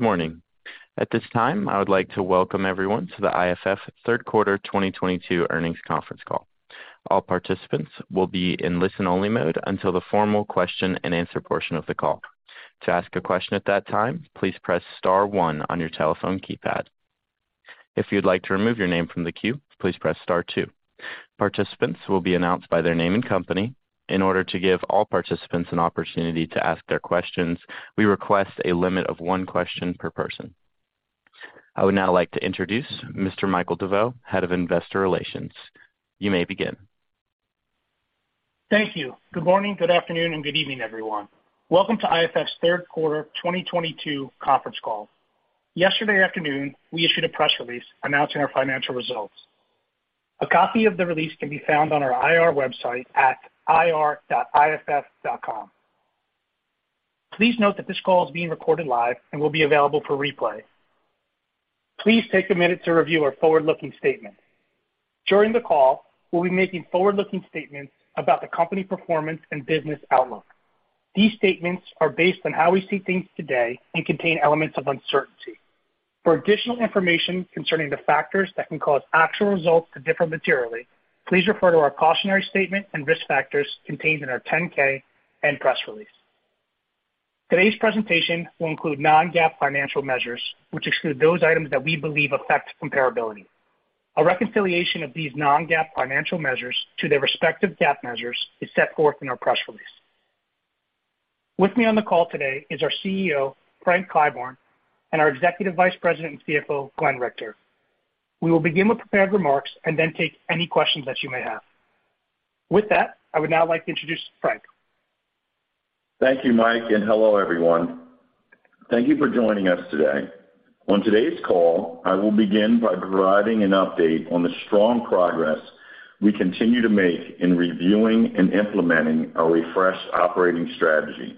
Good morning. At this time, I would like to welcome everyone to the IFF third quarter 2022 earnings conference call. All participants will be in listen-only mode until the formal question and answer portion of the call. To ask a question at that time, please press star one on your telephone keypad. If you'd like to remove your name from the queue, please press star two. Participants will be announced by their name and company. In order to give all participants an opportunity to ask their questions, we request a limit of one question per person. I would now like to introduce Mr. Michael DeVeau, Head of Investor Relations. You may begin. Thank you. Good morning, good afternoon, and good evening, everyone. Welcome to IFF's third quarter 2022 conference call. Yesterday afternoon, we issued a press release announcing our financial results. A copy of the release can be found on our IR website at ir.iff.com. Please note that this call is being recorded live and will be available for replay. Please take a minute to review our forward-looking statement. During the call, we'll be making forward-looking statements about the company performance and business outlook. These statements are based on how we see things today and contain elements of uncertainty. For additional information concerning the factors that can cause actual results to differ materially, please refer to our cautionary statement and risk factors contained in our 10K and press release. Today's presentation will include non-GAAP financial measures, which exclude those items that we believe affect comparability. A reconciliation of these non-GAAP financial measures to their respective GAAP measures is set forth in our press release. With me on the call today is our CEO, Frank Clyburn, and our Executive Vice President and CFO, Glenn Richter. We will begin with prepared remarks and then take any questions that you may have. With that, I would now like to introduce Frank. Thank you, Mike, and hello, everyone. Thank you for joining us today. On today's call, I will begin by providing an update on the strong progress we continue to make in reviewing and implementing our refreshed operating strategy.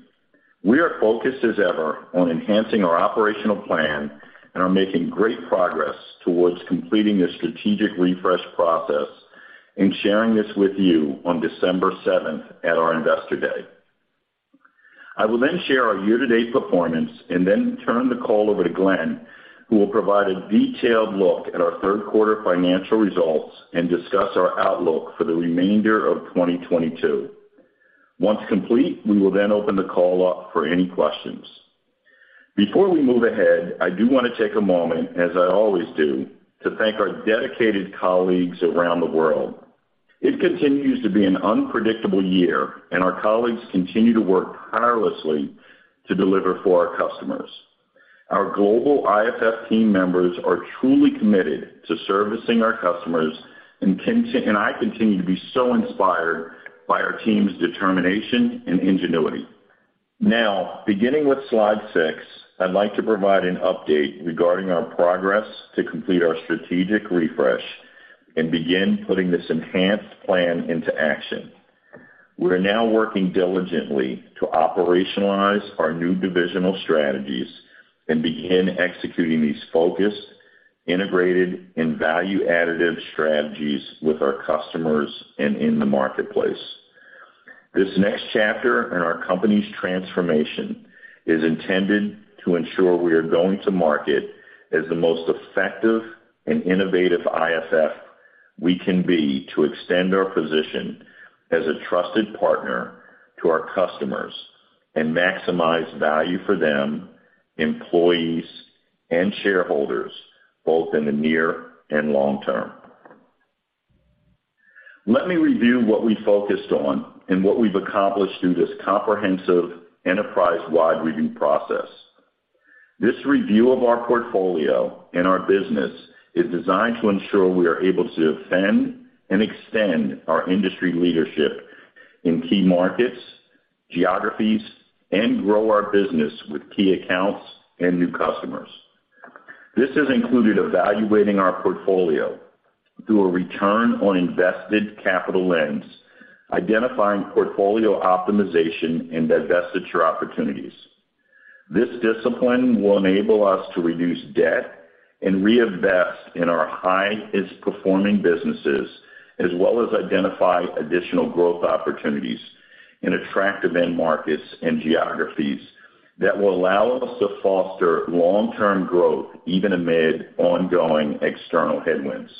We are focused as ever on enhancing our operational plan and are making great progress towards completing this strategic refresh process and sharing this with you on December 7 at our Investor Day. I will then share our year-to-date performance and then turn the call over to Glenn, who will provide a detailed look at our third quarter financial results and discuss our outlook for the remainder of 2022. Once complete, we will then open the call up for any questions. Before we move ahead, I do want to take a moment, as I always do, to thank our dedicated colleagues around the world. It continues to be an unpredictable year, and our colleagues continue to work tirelessly to deliver for our customers. Our global IFF team members are truly committed to servicing our customers, and I continue to be so inspired by our team's determination and ingenuity. Beginning with slide six, I'd like to provide an update regarding our progress to complete our strategic refresh and begin putting this enhanced plan into action. We are now working diligently to operationalize our new divisional strategies and begin executing these focused, integrated, and value-additive strategies with our customers and in the marketplace. This next chapter in our company's transformation is intended to ensure we are going to market as the most effective and innovative IFF we can be to extend our position as a trusted partner to our customers and maximize value for them, employees, and shareholders, both in the near and long term. Let me review what we focused on and what we've accomplished through this comprehensive enterprise-wide review process. This review of our portfolio and our business is designed to ensure we are able to defend and extend our industry leadership in key markets, geographies, and grow our business with key accounts and new customers. This has included evaluating our portfolio through a return on invested capital lens, identifying portfolio optimization, and divestiture opportunities. This discipline will enable us to reduce debt and reinvest in our highest-performing businesses as well as identify additional growth opportunities in attractive end markets and geographies that will allow us to foster long-term growth even amid ongoing external headwinds.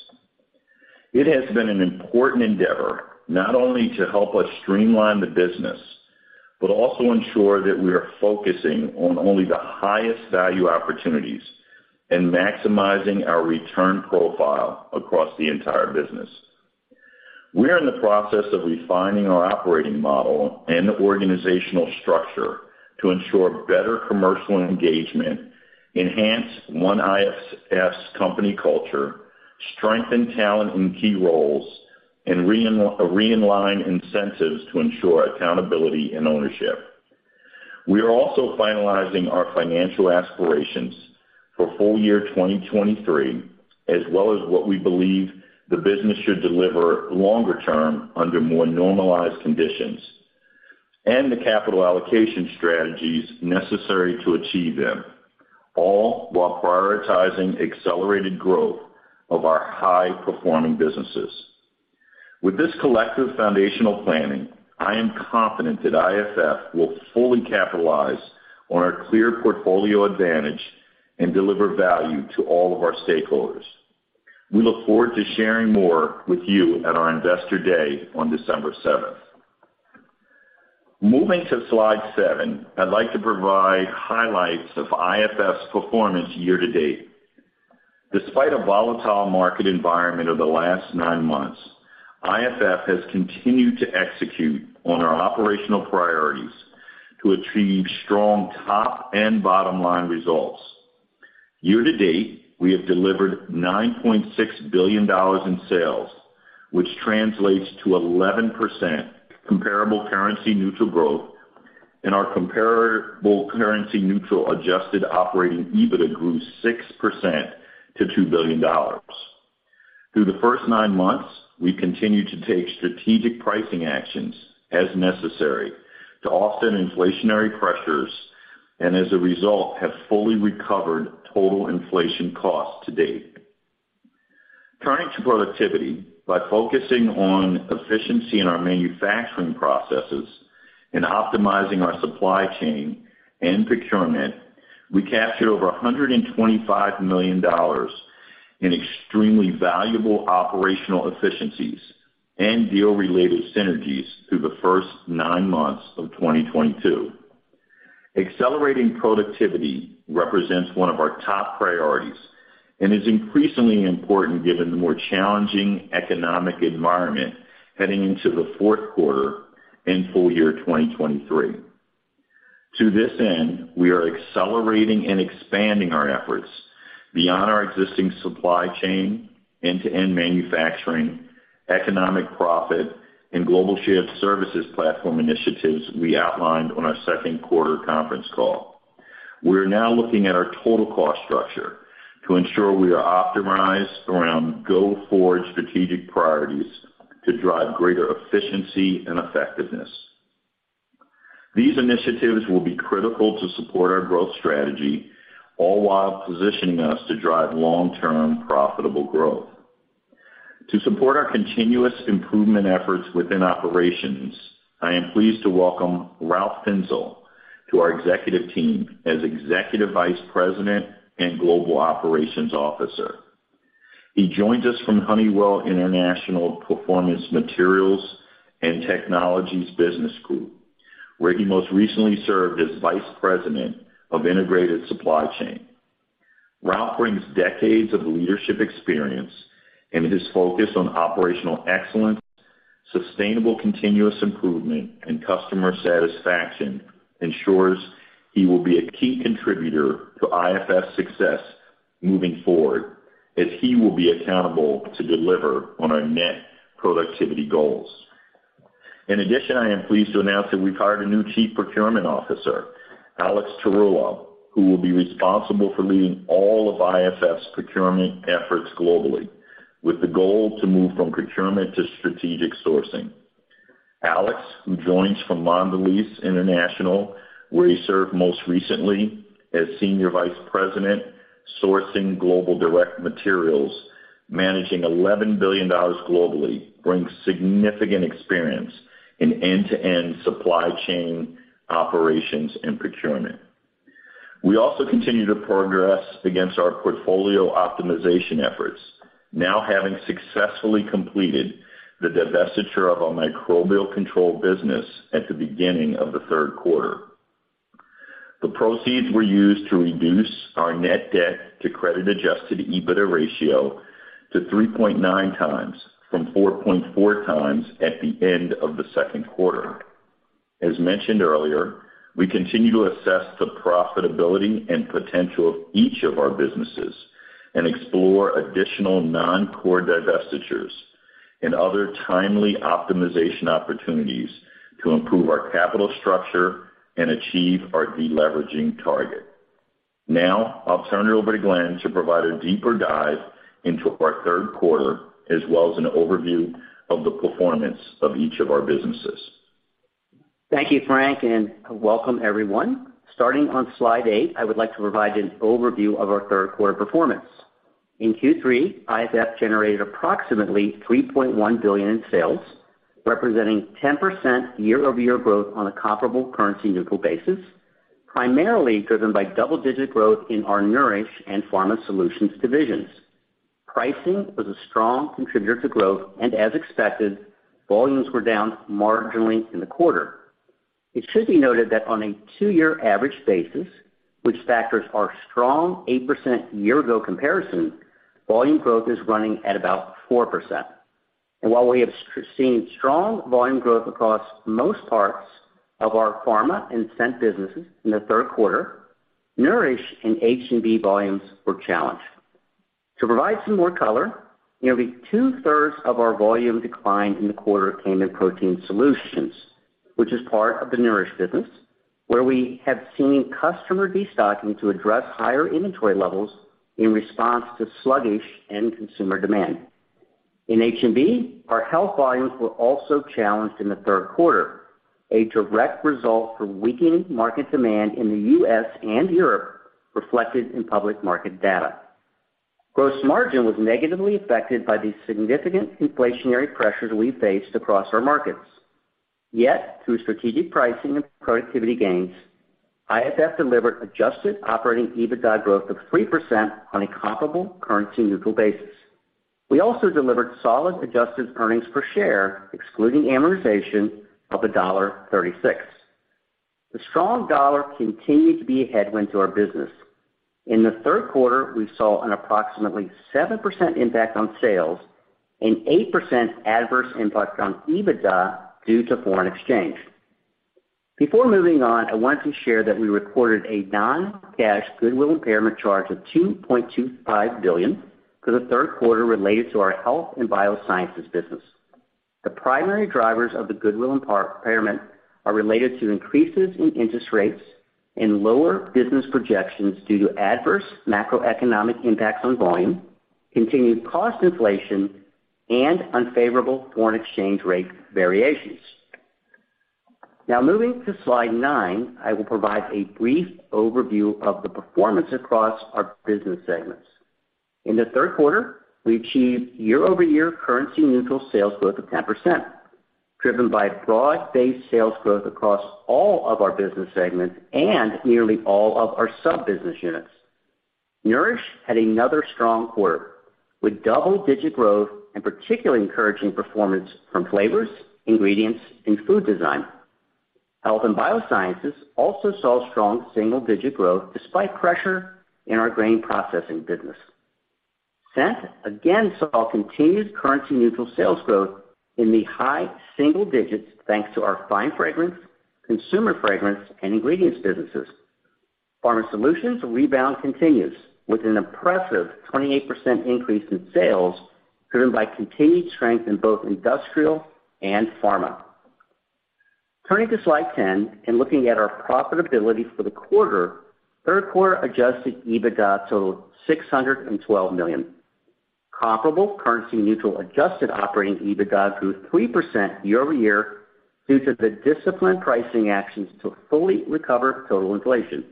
It has been an important endeavor, not only to help us streamline the business, but also ensure that we are focusing on only the highest value opportunities and maximizing our return profile across the entire business. We are in the process of refining our operating model and organizational structure to ensure better commercial engagement, enhance one IFF's company culture, strengthen talent in key roles, and re-align incentives to ensure accountability and ownership. We are also finalizing our financial aspirations for full year 2023, as well as what we believe the business should deliver longer term under more normalized conditions, and the capital allocation strategies necessary to achieve them, all while prioritizing accelerated growth of our high-performing businesses. With this collective foundational planning, I am confident that IFF will fully capitalize on our clear portfolio advantage and deliver value to all of our stakeholders. We look forward to sharing more with you at our Investor Day on December 7th. Moving to slide seven, I'd like to provide highlights of IFF's performance year to date. Despite a volatile market environment over the last nine months, IFF has continued to execute on our operational priorities to achieve strong top and bottom-line results. Year to date, we have delivered $9.6 billion in sales, which translates to 11% comparable currency neutral growth, and our comparable currency neutral adjusted operating EBITDA grew 6% to $2 billion. Through the first nine months, we continued to take strategic pricing actions as necessary to offset inflationary pressures, and as a result, have fully recovered total inflation costs to date. Turning to productivity, by focusing on efficiency in our manufacturing processes and optimizing our supply chain and procurement, we captured over $125 million in extremely valuable operational efficiencies and deal-related synergies through the first nine months of 2022. Accelerating productivity represents one of our top priorities and is increasingly important given the more challenging economic environment heading into the fourth quarter and full year 2023. To this end, we are accelerating and expanding our efforts beyond our existing supply chain, end-to-end manufacturing, economic profit, and global shared services platform initiatives we outlined on our second quarter conference call. We're now looking at our total cost structure to ensure we are optimized around go-forward strategic priorities to drive greater efficiency and effectiveness. These initiatives will be critical to support our growth strategy, all while positioning us to drive long-term profitable growth. To support our continuous improvement efforts within operations, I am pleased to welcome Ralf Finzel to our executive team as Executive Vice President and Global Operations Officer. He joins us from Honeywell International Performance Materials and Technologies Business Group, where he most recently served as Vice President of Integrated Supply Chain. Ralf brings decades of leadership experience, his focus on operational excellence, sustainable continuous improvement, and customer satisfaction ensures he will be a key contributor to IFF's success moving forward as he will be accountable to deliver on our net productivity goals. In addition, I am pleased to announce that we've hired a new Chief Procurement Officer, Alex Tarullo, who will be responsible for leading all of IFF's procurement efforts globally with the goal to move from procurement to strategic sourcing. Alex, who joins from Mondelez International, where he served most recently as Senior Vice President, Sourcing Global Direct Materials, managing $11 billion globally, brings significant experience in end-to-end supply chain operations and procurement. We also continue to progress against our portfolio optimization efforts, now having successfully completed the divestiture of our Microbial Control business at the beginning of the third quarter. The proceeds were used to reduce our net debt to credit-adjusted EBITDA ratio to 3.9 times from 4.4 times at the end of the second quarter. As mentioned earlier, we continue to assess the profitability and potential of each of our businesses and explore additional non-core divestitures and other timely optimization opportunities to improve our capital structure and achieve our de-leveraging target. I'll turn it over to Glenn to provide a deeper dive into our third quarter as well as an overview of the performance of each of our businesses. Thank you, Frank, and welcome everyone. Starting on slide eight, I would like to provide an overview of our third quarter performance. In Q3, IFF generated approximately $3.1 billion in sales, representing 10% year-over-year growth on a comparable currency neutral basis, primarily driven by double-digit growth in our Nourish and Pharma Solutions divisions. Pricing was a strong contributor to growth, as expected, volumes were down marginally in the quarter. It should be noted that on a two-year average basis, which factors our strong 8% year-ago comparison, volume growth is running at about 4%. While we have seen strong volume growth across most parts of our Pharma and Scent businesses in the third quarter, Nourish and H&B volumes were challenged. To provide some more color, nearly two-thirds of our volume decline in the quarter came in Protein Solutions, which is part of the Nourish business, where we have seen customer destocking to address higher inventory levels in response to sluggish end consumer demand. In H&B, our health volumes were also challenged in the third quarter, a direct result from weakening market demand in the U.S. and Europe, reflected in public market data. Gross margin was negatively affected by the significant inflationary pressures we faced across our markets. Yet, through strategic pricing and productivity gains, IFF delivered adjusted operating EBITDA growth of 3% on a comparable currency-neutral basis. We also delivered solid adjusted earnings per share, excluding amortization of $1.36. The strong dollar continued to be a headwind to our business. In the third quarter, we saw an approximately 7% impact on sales and 8% adverse impact on EBITDA due to foreign exchange. Before moving on, I wanted to share that we recorded a non-cash goodwill impairment charge of $2.25 billion for the third quarter related to our Health & Biosciences business. The primary drivers of the goodwill impairment are related to increases in interest rates and lower business projections due to adverse macroeconomic impacts on volume, continued cost inflation, and unfavorable foreign exchange rate variations. Moving to slide nine, I will provide a brief overview of the performance across our business segments. In the third quarter, we achieved year-over-year currency neutral sales growth of 10%, driven by broad-based sales growth across all of our business segments and nearly all of our sub-business units. Nourish had another strong quarter with double-digit growth and particularly encouraging performance from flavors, ingredients, and food design. Health & Biosciences also saw strong single-digit growth despite pressure in our grain processing business. Scent again saw continued currency-neutral sales growth in the high single digits thanks to our fine fragrance, consumer fragrance, and ingredients businesses. Pharma Solutions rebound continues with an impressive 28% increase in sales driven by continued strength in both industrial and pharma. Turning to slide 10 and looking at our profitability for the quarter, third quarter adjusted EBITDA totaled $612 million. Comparable currency neutral adjusted operating EBITDA grew 3% year-over-year due to the disciplined pricing actions to fully recover total inflation.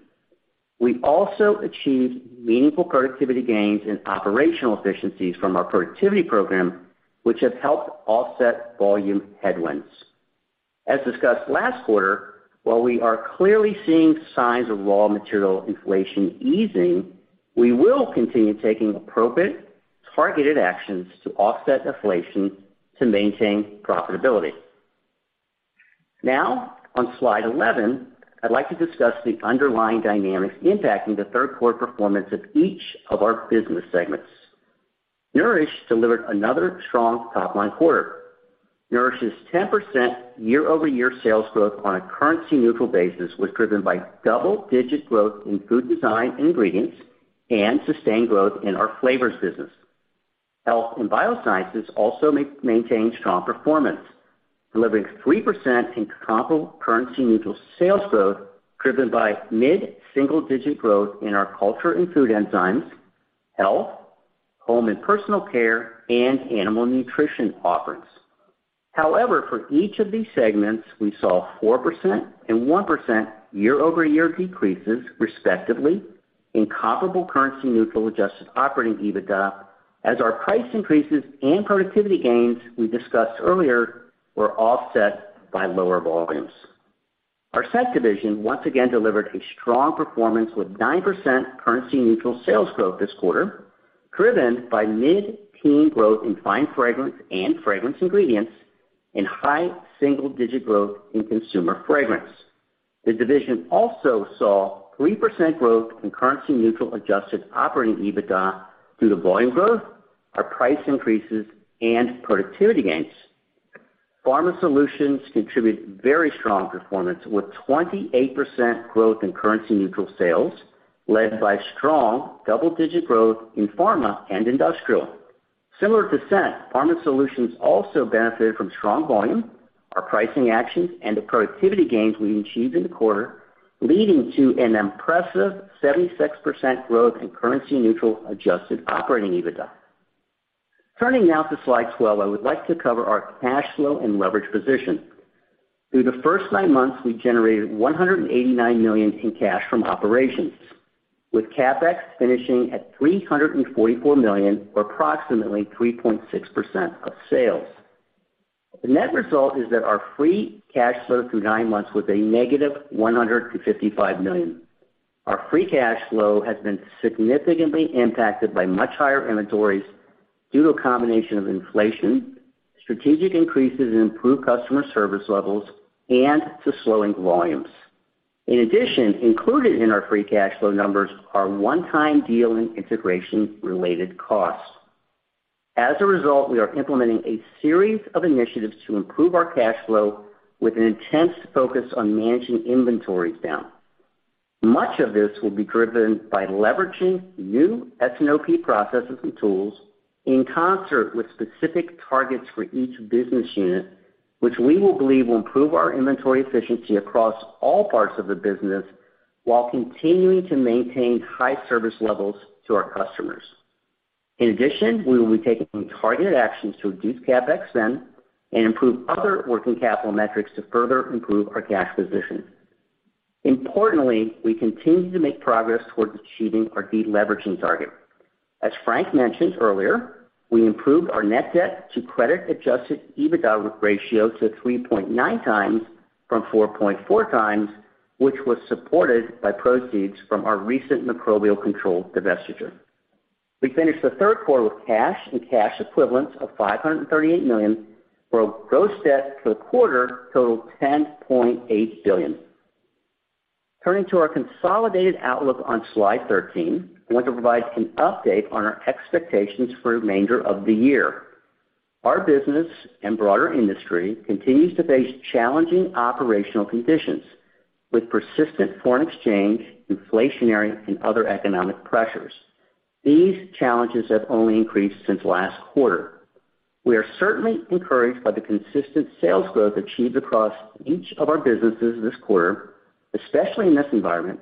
We also achieved meaningful productivity gains in operational efficiencies from our productivity program, which have helped offset volume headwinds. As discussed last quarter, while we are clearly seeing signs of raw material inflation easing, we will continue taking appropriate, targeted actions to offset inflation to maintain profitability. On slide 11, I'd like to discuss the underlying dynamics impacting the third quarter performance of each of our business segments. Nourish delivered another strong top-line quarter. Nourish's 10% year-over-year sales growth on a currency-neutral basis was driven by double-digit growth in food design and ingredients and sustained growth in our flavors business. Health & Biosciences also maintained strong performance, delivering 3% in comparable currency-neutral sales growth driven by mid-single-digit growth in our culture and food enzymes, health, home and personal care, and animal nutrition offerings. However, for each of these segments, we saw 4% and 1% year-over-year decreases, respectively, in comparable currency neutral adjusted operating EBITDA as our price increases and productivity gains we discussed earlier were offset by lower volumes. Our Scent division once again delivered a strong performance with 9% currency-neutral sales growth this quarter, driven by mid-teen growth in fine fragrance and fragrance ingredients and high single-digit growth in consumer fragrance. The division also saw 3% growth in currency-neutral adjusted operating EBITDA due to volume growth, our price increases, and productivity gains. Pharma Solutions contribute very strong performance with 28% growth in currency-neutral sales, led by strong double-digit growth in pharma and industrial. Similar to Scent, Pharma Solutions also benefited from strong volume, our pricing actions, and the productivity gains we achieved in the quarter, leading to an impressive 76% growth in currency-neutral adjusted operating EBITDA. Turning now to slide 12, I would like to cover our cash flow and leverage position. Through the first nine months, we generated $189 million in cash from operations, with CapEx finishing at $344 million or approximately 3.6% of sales. The net result is that our free cash flow through nine months was a negative $155 million. Our free cash flow has been significantly impacted by much higher inventories due to a combination of inflation, strategic increases in improved customer service levels, and to slowing volumes. In addition, included in our free cash flow numbers are one-time deal and integration-related costs. As a result, we are implementing a series of initiatives to improve our cash flow with an intense focus on managing inventories down. Much of this will be driven by leveraging new S&OP processes and tools in concert with specific targets for each business unit, which we believe will improve our inventory efficiency across all parts of the business while continuing to maintain high service levels to our customers. In addition, we will be taking targeted actions to reduce CapEx spend and improve other working capital metrics to further improve our cash position. Importantly, we continue to make progress towards achieving our deleveraging target. As Frank mentioned earlier, we improved our net debt to credit-adjusted EBITDA ratio to 3.9 times from 4.4 times, which was supported by proceeds from our recent Microbial Control divestiture. We finished the third quarter with cash and cash equivalents of $538 million, where our gross debt for the quarter totaled $10.8 billion. Turning to our consolidated outlook on slide 13, I want to provide an update on our expectations for the remainder of the year. Our business and broader industry continues to face challenging operational conditions, with persistent foreign exchange, inflationary, and other economic pressures. These challenges have only increased since last quarter. We are certainly encouraged by the consistent sales growth achieved across each of our businesses this quarter, especially in this environment.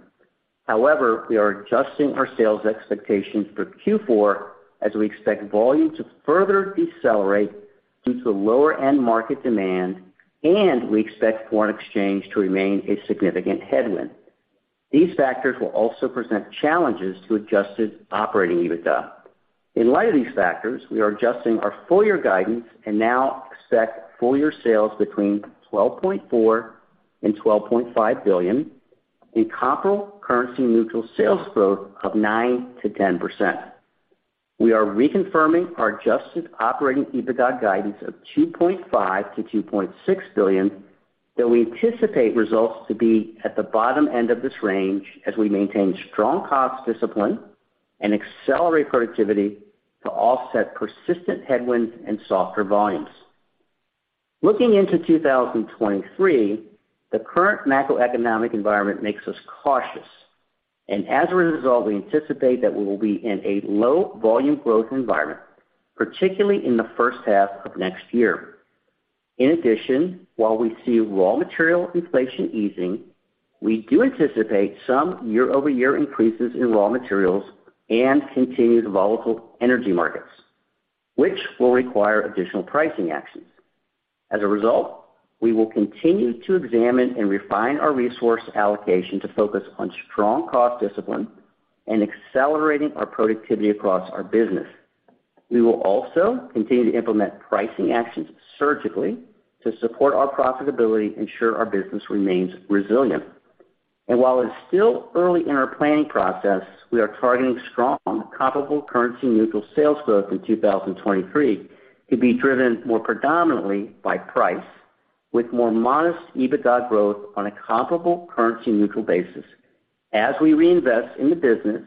However, we are adjusting our sales expectations for Q4 as we expect volume to further decelerate due to lower end market demand, and we expect foreign exchange to remain a significant headwind. These factors will also present challenges to adjusted operating EBITDA. In light of these factors, we are adjusting our full-year guidance and now expect full-year sales between $12.4 billion and $12.5 billion and comparable currency neutral sales growth of 9% to 10%. We are reconfirming our adjusted operating EBITDA guidance of $2.5 billion-$2.6 billion, though we anticipate results to be at the bottom end of this range as we maintain strong cost discipline and accelerate productivity to offset persistent headwinds and softer volumes. Looking into 2023, the current macroeconomic environment makes us cautious, and as a result, we anticipate that we will be in a low volume growth environment, particularly in the first half of next year. In addition, while we see raw material inflation easing, we do anticipate some year-over-year increases in raw materials and continued volatile energy markets, which will require additional pricing actions. We will continue to examine and refine our resource allocation to focus on strong cost discipline and accelerating our productivity across our business. We will also continue to implement pricing actions surgically to support our profitability and ensure our business remains resilient. While it's still early in our planning process, we are targeting strong comparable currency-neutral sales growth in 2023 to be driven more predominantly by price, with more modest EBITDA growth on a comparable currency-neutral basis as we reinvest in the business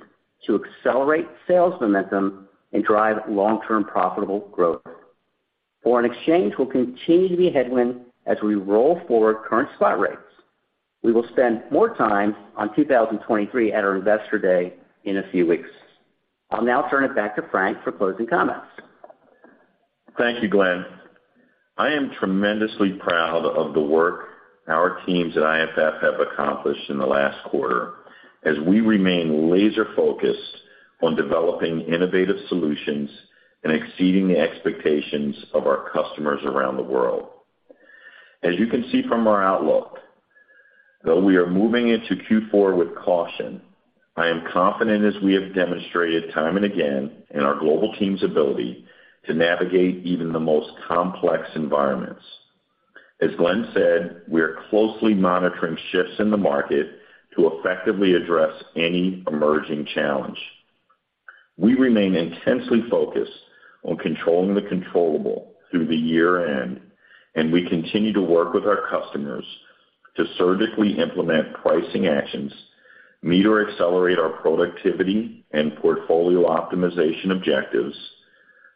to accelerate sales momentum and drive long-term profitable growth. Foreign exchange will continue to be a headwind as we roll forward current spot rates. We will spend more time on 2023 at our Investor Day in a few weeks. I'll now turn it back to Frank for closing comments. Thank you, Glenn. I am tremendously proud of the work our teams at IFF have accomplished in the last quarter as we remain laser-focused on developing innovative solutions and exceeding the expectations of our customers around the world. As you can see from our outlook, though we are moving into Q4 with caution, I am confident as we have demonstrated time and again in our global team's ability to navigate even the most complex environments. As Glenn said, we are closely monitoring shifts in the market to effectively address any emerging challenge. We remain intensely focused on controlling the controllable through the year-end, and we continue to work with our customers to surgically implement pricing actions, meet or accelerate our productivity and portfolio optimization objectives,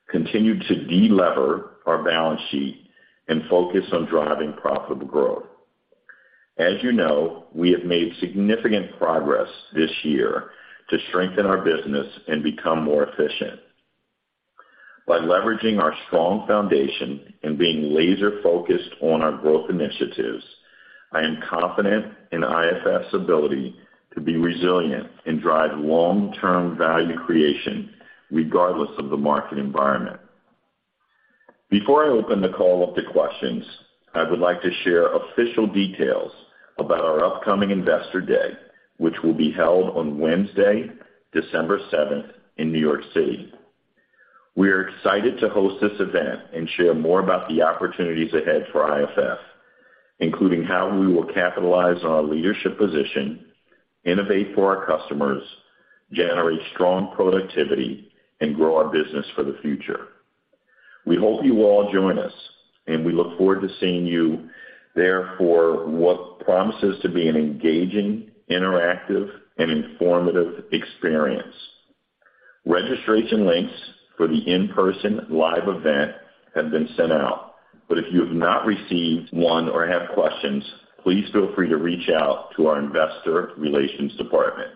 continue to de-lever our balance sheet, and focus on driving profitable growth. As you know, we have made significant progress this year to strengthen our business and become more efficient. By leveraging our strong foundation and being laser-focused on our growth initiatives, I am confident in IFF's ability to be resilient and drive long-term value creation regardless of the market environment. Before I open the call up to questions, I would like to share official details about our upcoming Investor Day, which will be held on Wednesday, December 7th in New York City. We are excited to host this event and share more about the opportunities ahead for IFF, including how we will capitalize on our leadership position, innovate for our customers, generate strong productivity, and grow our business for the future. We hope you will all join us, and we look forward to seeing you there for what promises to be an engaging, interactive, and informative experience. If you have not received one or have questions, please feel free to reach out to our investor relations department.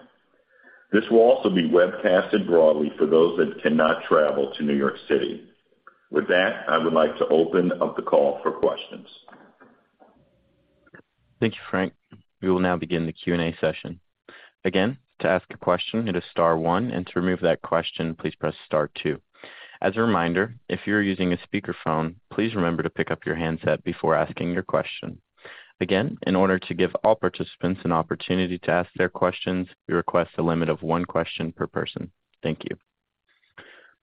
This will also be webcasted broadly for those that cannot travel to New York City. With that, I would like to open up the call for questions. Thank you, Frank. We will now begin the Q&A session. Again, to ask a question, hit a star one, and to remove that question, please press star two. As a reminder, if you're using a speakerphone, please remember to pick up your handset before asking your question. Again, in order to give all participants an opportunity to ask their questions, we request a limit of one question per person. Thank you.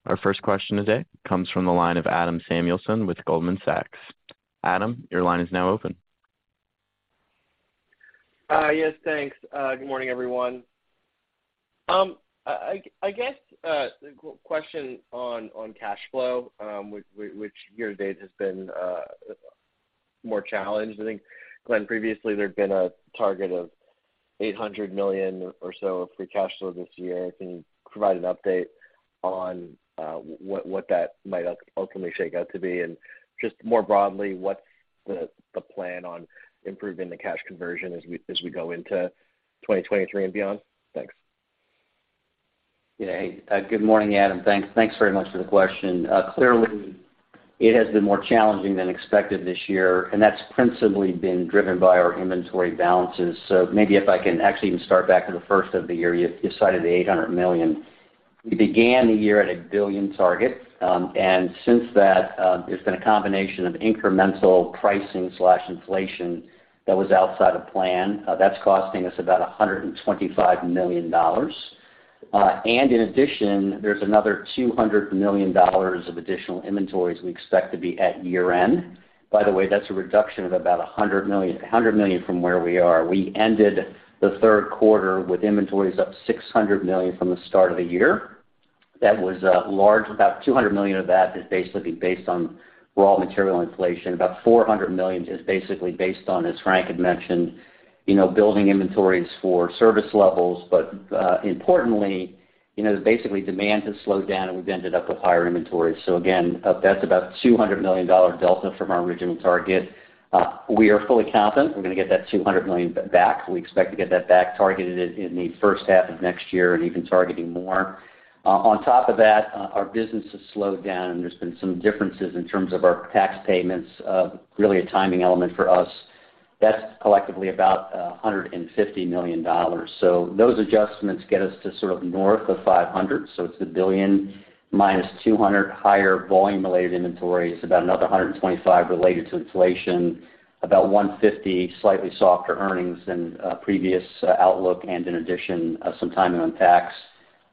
Our first question today comes from the line of Adam Samuelson with Goldman Sachs. Adam, your line is now open. Yes, thanks. Good morning, everyone. I guess the question on cash flow, which year-to-date has been more challenged. I think, Glenn, previously there'd been a target of $800 million or so of free cash flow this year. Can you provide an update on what that might ultimately shake out to be? Just more broadly, what's the plan on improving the cash conversion as we go into 2023 and beyond? Thanks. Yeah. Good morning, Adam. Thanks very much for the question. Clearly, it has been more challenging than expected this year, and that's principally been driven by our inventory balances. Maybe if I can actually even start back to the first of the year, you cited the $800 million. We began the year at a $1 billion target, since that, there's been a combination of incremental pricing/inflation that was outside of plan. That's costing us about $125 million. In addition, there's another $200 million of additional inventories we expect to be at year-end. By the way, that's a reduction of about $100 million from where we are. We ended the third quarter with inventories up $600 million from the start of the year. That was large. About $200 million of that is basically based on raw material inflation. About $400 million is basically based on, as Frank had mentioned, building inventories for service levels. Importantly, basically demand has slowed down, and we've ended up with higher inventories. Again, that's about a $200 million delta from our original target. We are fully confident we're going to get that $200 million back. We expect to get that back targeted in the first half of next year and even targeting more. On top of that, our business has slowed down, and there's been some differences in terms of our tax payments. Really a timing element for us. That's collectively about $150 million. Those adjustments get us to sort of north of $500 million. It's a $1 billion minus $200 million higher volume-related inventories, about another $125 million related to inflation, about $150 million slightly softer earnings than previous outlook, and in addition, some timing on tax.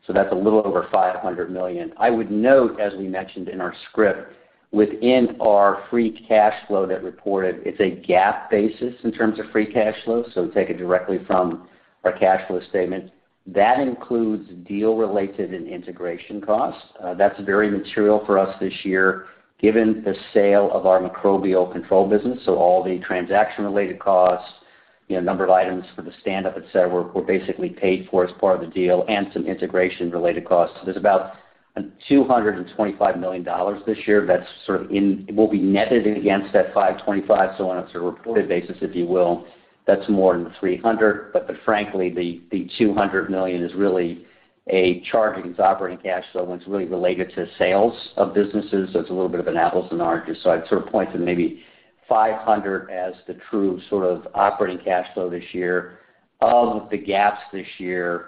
That's a little over $500 million. I would note, as we mentioned in our script, within our free cash flow that reported, it's a GAAP basis in terms of free cash flow. Take it directly from our cash flow statement. That includes deal related and integration costs. That's very material for us this year given the sale of our Microbial Control business. All the transaction related costs, a number of items for the stand-up, et cetera, were basically paid for as part of the deal and some integration related costs. There's about $225 million this year that will be netted against that $525 million. On a sort of reported basis, if you will, that's more than $300 million. Frankly, the $200 million is really a charge against operating cash flow, and it's really related to sales of businesses. It's a little bit of an apples and oranges. I'd sort of point to maybe $500 million as the true sort of operating cash flow this year. Of the gaps this year,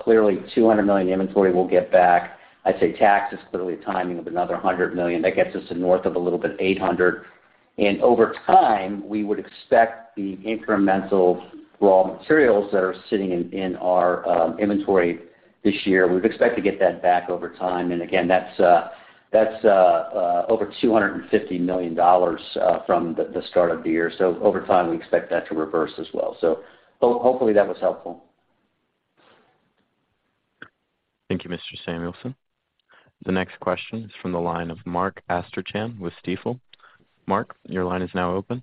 clearly $200 million inventory we'll get back. I'd say tax is clearly a timing of another $100 million. That gets us to north of a little bit $800 million. Over time, we would expect the incremental raw materials that are sitting in our inventory this year, we'd expect to get that back over time. Again, that's over $250 million from the start of the year. Over time, we expect that to reverse as well. Hopefully that was helpful. Thank you, Mr. Samuelson. The next question is from the line of Mark Astrachan with Stifel. Mark, your line is now open.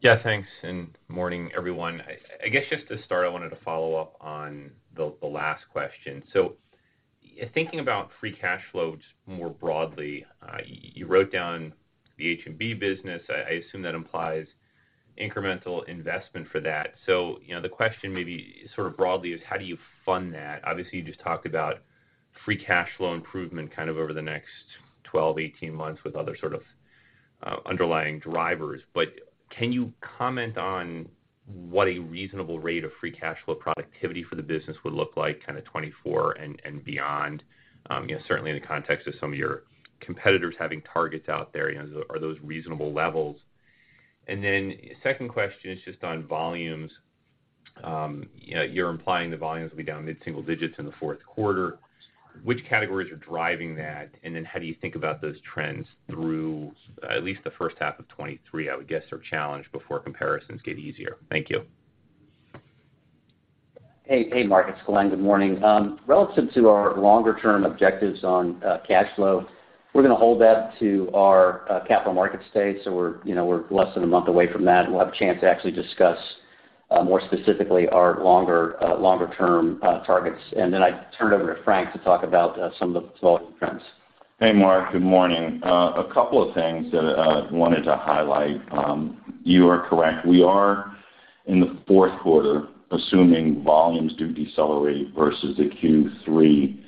Yeah, thanks, and morning, everyone. I guess just to start, I wanted to follow up on the last question. Thinking about free cash flows more broadly, you wrote down the H&B business. I assume that implies incremental investment for that. The question maybe sort of broadly is how do you fund that? Obviously, you just talked about free cash flow improvement kind of over the next 12-18 months with other sort of underlying drivers. Can you comment on what a reasonable rate of free cash flow productivity for the business would look like kind of 2024 and beyond? Certainly in the context of some of your competitors having targets out there, are those reasonable levels? Second question is just on volumes. You're implying the volumes will be down mid-single digits in the fourth quarter. Which categories are driving that, how do you think about those trends through at least the first half of 2023, I would guess, are challenged before comparisons get easier? Thank you. Hey, Mark. It's Glenn. Good morning. Relative to our longer-term objectives on cash flow, we're going to hold that to our Capital Markets Day. We're less than a month away from that, and we'll have a chance to actually discuss more specifically our longer term targets. I turn it over to Frank to talk about some of the volume trends. Hey, Mark. Good morning. A couple of things that I wanted to highlight. You are correct. We are in the fourth quarter, assuming volumes do decelerate versus the Q3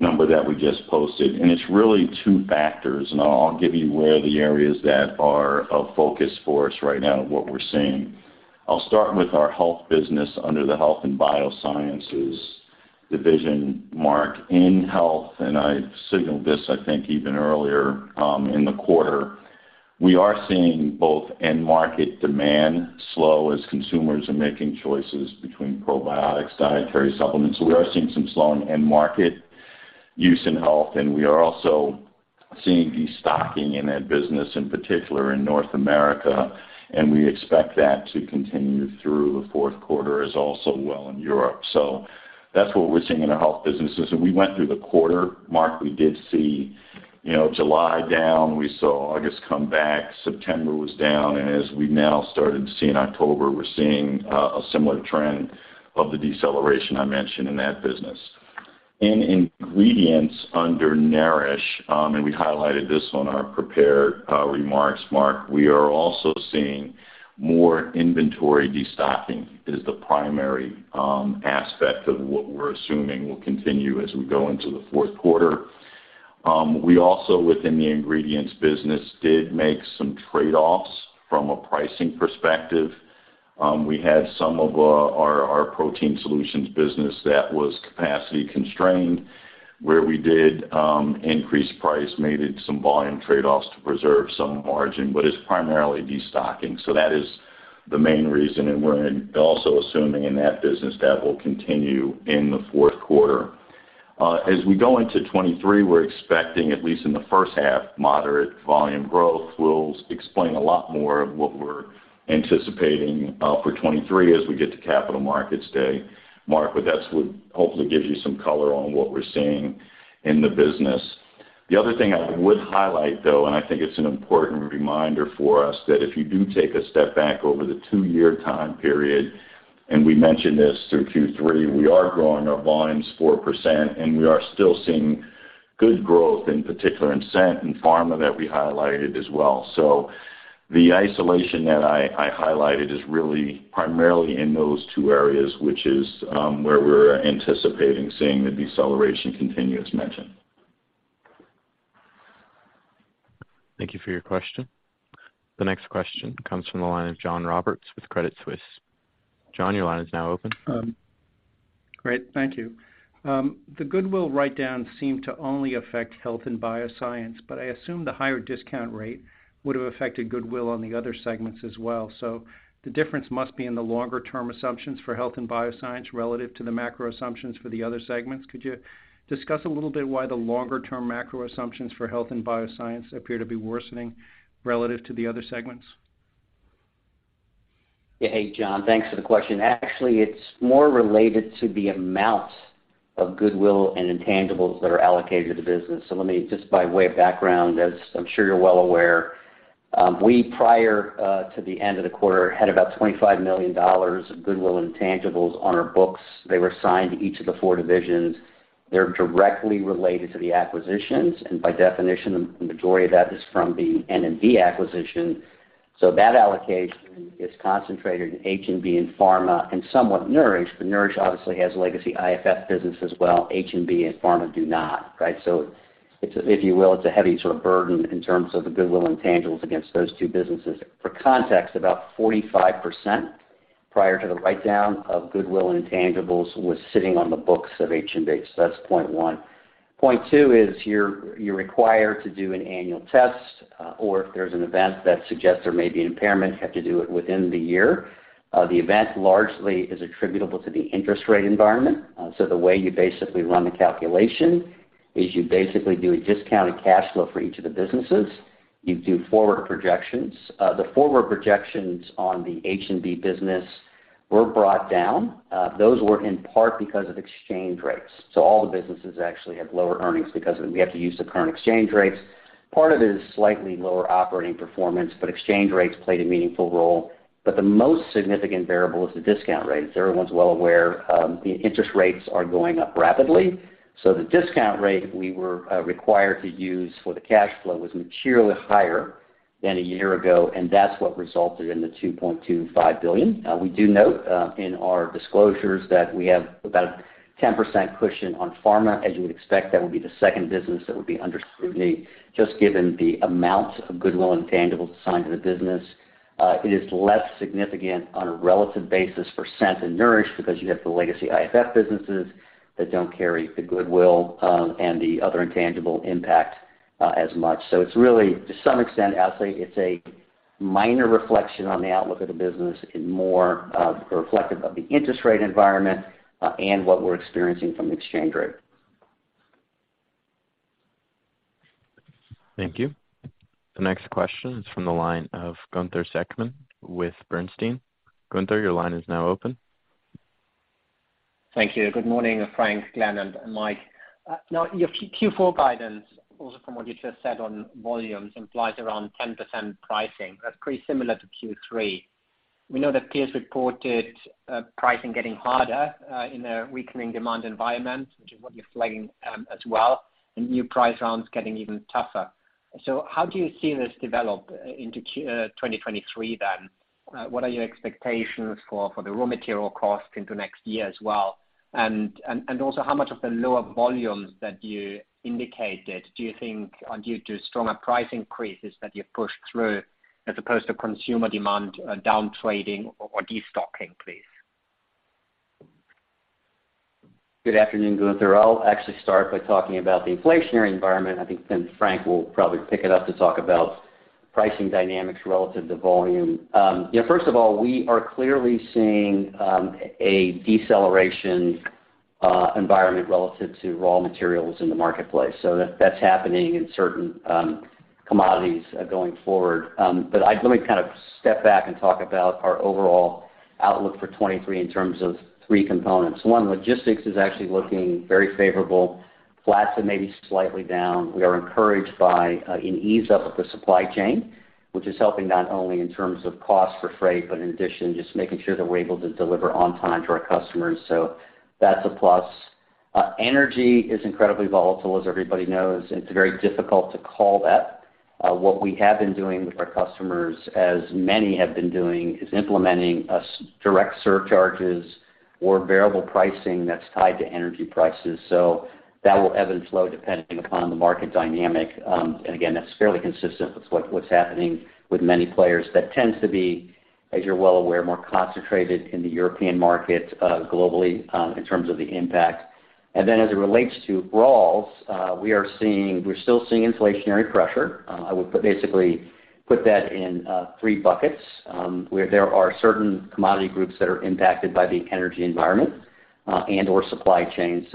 number that we just posted. It's really two factors, and I'll give you where the areas that are of focus for us right now and what we're seeing. I'll start with our health business under the Health & Biosciences division, Mark. In health, I signaled this, I think, even earlier in the quarter, we are seeing both end market demand slow as consumers are making choices between probiotics, dietary supplements. We are seeing some slow in end market use in health, and we are also seeing destocking in that business, in particular in North America, and we expect that to continue through the fourth quarter as well in Europe. That's what we're seeing in our health businesses. We went through the quarter, Mark, we did see July down, we saw August come back, September was down, and as we've now started to see in October, we're seeing a similar trend of the deceleration I mentioned in that business. In ingredients under Nourish, we highlighted this on our prepared remarks, Mark, we are also seeing more inventory destocking is the primary aspect of what we're assuming will continue as we go into the fourth quarter. We also, within the ingredients business, did make some trade-offs from a pricing perspective. We had some of our Protein Solutions business that was capacity constrained, where we did increase price, made some volume trade-offs to preserve some margin. It's primarily destocking. That is the main reason, and we're also assuming in that business that will continue in the fourth quarter. As we go into 2023, we're expecting, at least in the first half, moderate volume growth. We'll explain a lot more of what we're anticipating for 2023 as we get to Capital Markets Day, Mark, that hopefully gives you some color on what we're seeing in the business. The other thing I would highlight, though, I think it's an important reminder for us, that if you do take a step back over the two-year time period, we mentioned this through Q3, we are growing our volumes 4%, we are still seeing good growth in particular in Scent and Pharma that we highlighted as well. The isolation that I highlighted is really primarily in those two areas, which is where we're anticipating seeing the deceleration continue as mentioned. Thank you for your question. The next question comes from the line of John Roberts with Credit Suisse. John, your line is now open. Great. Thank you. The goodwill write-down seemed to only affect Health & Biosciences, but I assume the higher discount rate would have affected goodwill on the other segments as well. The difference must be in the longer-term assumptions for Health & Biosciences relative to the macro assumptions for the other segments. Could you discuss a little bit why the longer-term macro assumptions for Health & Biosciences appear to be worsening relative to the other segments? Hey, John. Thanks for the question. Actually, it's more related to the amount of goodwill and intangibles that are allocated to the business. Let me just by way of background, as I'm sure you're well aware, we, prior to the end of the quarter, had about $25 million of goodwill intangibles on our books. They were assigned to each of the four divisions. They're directly related to the acquisitions, and by definition, the majority of that is from the N&B acquisition. That allocation is concentrated in H&B and Pharma and somewhat Nourish, but Nourish obviously has legacy IFF business as well. H&B and Pharma do not. If you will, it's a heavy sort of burden in terms of the goodwill intangibles against those two businesses. For context, about 45% prior to the write-down of goodwill intangibles was sitting on the books of H&B. That's point one. Point two is you're required to do an annual test, or if there's an event that suggests there may be an impairment, have to do it within the year. The event largely is attributable to the interest rate environment. The way you basically run the calculation is you basically do a discounted cash flow for each of the businesses. You do forward projections. The forward projections on the H&B business were brought down. Those were in part because of exchange rates. All the businesses actually have lower earnings because we have to use the current exchange rates. Part of it is slightly lower operating performance, but exchange rates played a meaningful role. The most significant variable is the discount rates. Everyone's well aware interest rates are going up rapidly. The discount rate we were required to use for the cash flow was materially higher than a year ago, and that's what resulted in the $2.25 billion. We do note in our disclosures that we have about a 10% cushion on Pharma. As you would expect, that would be the second business that would be under scrutiny, just given the amount of goodwill intangibles assigned to the business. It is less significant on a relative basis for Scent and Nourish because you have the legacy IFF businesses that don't carry the goodwill and the other intangible impact as much. It's really, to some extent, I'll say it's a minor reflection on the outlook of the business and more reflective of the interest rate environment and what we're experiencing from the exchange rate. Thank you. The next question is from the line of Gunther Zechmann with Bernstein. Gunther, your line is now open. Thank you. Good morning, Frank, Glenn, and Mike. Your Q4 guidance, also from what you just said on volumes, implies around 10% pricing. That's pretty similar to Q3. We know that peers reported pricing getting harder in a weakening demand environment, which is what you're flagging as well, and new price rounds getting even tougher. How do you see this develop into 2023? What are your expectations for the raw material cost into next year as well? How much of the lower volumes that you indicated, do you think are due to stronger price increases that you've pushed through as opposed to consumer demand downtrading or destocking, please? Good afternoon, Gunther. I'll actually start by talking about the inflationary environment. I think Frank will probably pick it up to talk about pricing dynamics relative to volume. First of all, we are clearly seeing a deceleration environment relative to raw materials in the marketplace. That's happening in certain commodities going forward. Let me kind of step back and talk about our overall outlook for 2023 in terms of three components. One, logistics is actually looking very favorable, flat to maybe slightly down. We are encouraged by an ease up of the supply chain, which is helping not only in terms of cost for freight, but in addition, just making sure that we're able to deliver on time to our customers. That's a plus. Energy is incredibly volatile, as everybody knows, and it's very difficult to call that. What we have been doing with our customers, as many have been doing, is implementing direct surcharges or variable pricing that's tied to energy prices. That will ebb and flow depending upon the market dynamic. Again, that's fairly consistent with what's happening with many players. That tends to be, as you're well aware, more concentrated in the European market globally in terms of the impact. As it relates to raws, we're still seeing inflationary pressure. I would basically put that in three buckets, where there are certain commodity groups that are impacted by the energy environment and/or supply chain.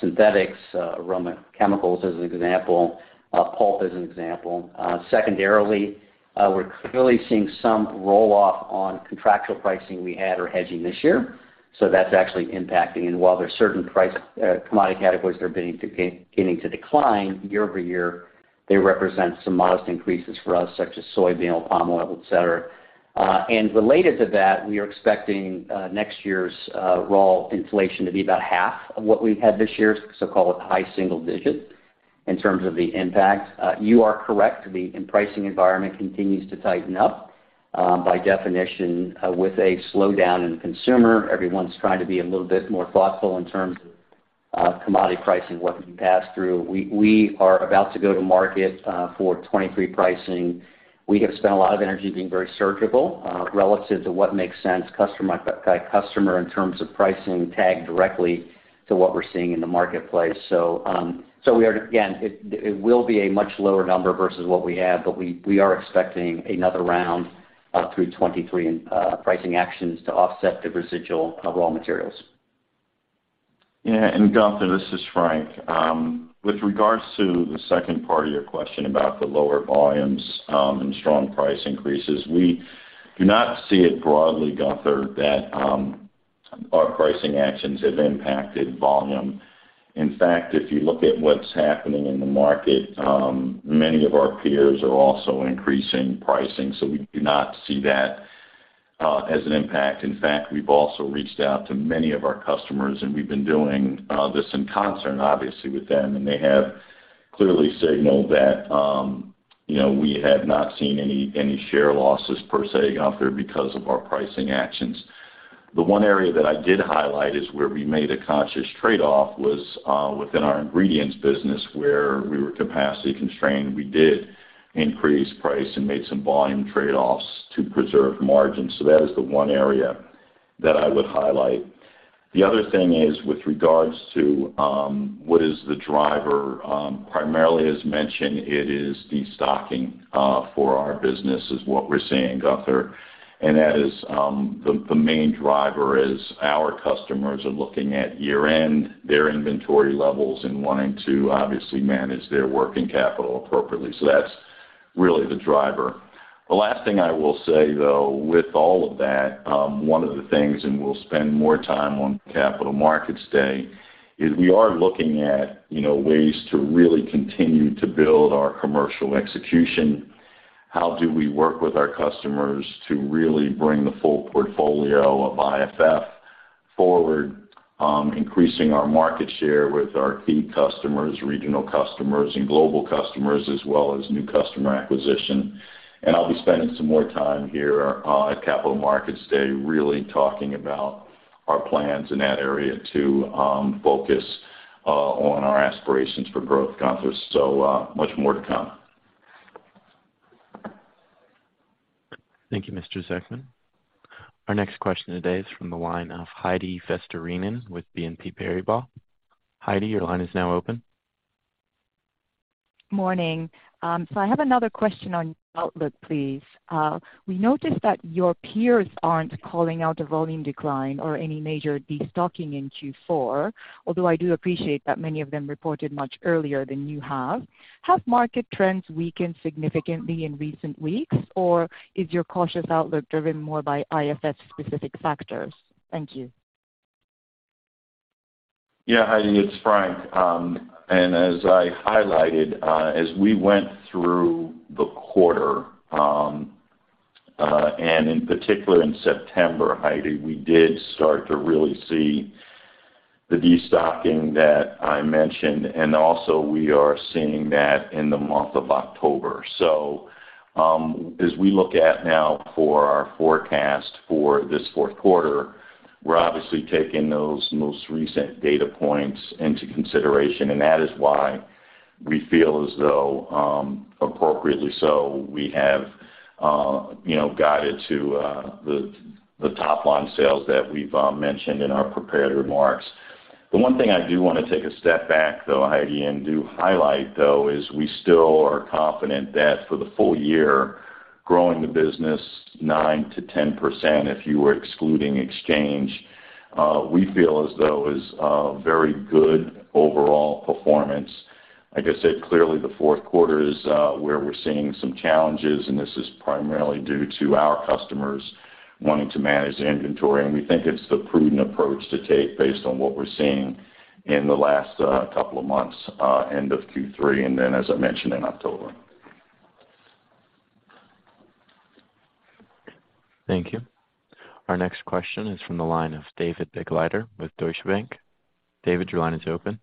Synthetics, aroma chemicals as an example, pulp as an example. Secondarily, we're clearly seeing some roll off on contractual pricing we had or hedging this year. That's actually impacting. While there are certain commodity categories that are beginning to decline year-over-year, they represent some modest increases for us, such as soybean oil, palm oil, et cetera. Related to that, we are expecting next year's raw inflation to be about half of what we've had this year, so call it high single digits in terms of the impact. You are correct, the pricing environment continues to tighten up. By definition, with a slowdown in consumer, everyone's trying to be a little bit more thoughtful in terms of commodity pricing, what can be passed through. We are about to go to market for 2023 pricing. We have spent a lot of energy being very surgical relative to what makes sense customer by customer in terms of pricing tagged directly to what we're seeing in the marketplace. Again, it will be a much lower number versus what we had, but we are expecting another round through 2023 in pricing actions to offset the residual raw materials. Gunther, this is Frank. With regards to the second part of your question about the lower volumes and strong price increases, we do not see it broadly, Gunther, that our pricing actions have impacted volume. In fact, if you look at what's happening in the market, many of our peers are also increasing pricing. We do not see that as an impact. In fact, we've also reached out to many of our customers, and we've been doing this in concert, obviously, with them, and they have clearly signaled that we have not seen any share losses per se, Gunther, because of our pricing actions. The one area that I did highlight is where we made a conscious trade-off was within our ingredients business where we were capacity constrained. We did increase price and made some volume trade-offs to preserve margins. That is the one area that I would highlight. The other thing is with regards to what is the driver, primarily as mentioned, it is destocking for our business is what we're seeing, Gunther. That is the main driver is our customers are looking at year-end, their inventory levels, and wanting to obviously manage their working capital appropriately. That's really the driver. The last thing I will say, though, with all of that, one of the things, and we'll spend more time on Capital Markets Day, is we are looking at ways to really continue to build our commercial execution. How do we work with our customers to really bring the full portfolio of IFF forward, increasing our market share with our key customers, regional customers, and global customers, as well as new customer acquisition. I'll be spending some more time here at Capital Markets Day really talking about our plans in that area to focus on our aspirations for growth, Gunther. Much more to come. Thank you, Mr. Zechmann. Our next question today is from the line of Heidi Vesterinen with BNP Paribas. Heidi, your line is now open. Morning. I have another question on outlook, please. We noticed that your peers aren't calling out a volume decline or any major destocking in Q4, although I do appreciate that many of them reported much earlier than you have. Have market trends weakened significantly in recent weeks, or is your cautious outlook driven more by IFF specific factors? Thank you. Yeah, Heidi, it's Frank. As I highlighted, as we went through the quarter, and in particular in September, Heidi, we did start to really see the de-stocking that I mentioned, and also, we are seeing that in the month of October. As we look at now for our forecast for this fourth quarter, we're obviously taking those most recent data points into consideration, and that is why we feel as though, appropriately so, we have guided to the top-line sales that we've mentioned in our prepared remarks. The one thing I do want to take a step back, though, Heidi, and do highlight, though, is we still are confident that for the full year, growing the business 9%-10%, if you were excluding exchange, we feel as though is a very good overall performance. Like I said, clearly the fourth quarter is where we're seeing some challenges. This is primarily due to our customers wanting to manage the inventory. We think it's the prudent approach to take based on what we're seeing in the last couple of months, end of Q3. As I mentioned, in October. Thank you. Our next question is from the line of David Begleiter with Deutsche Bank. David, your line is open.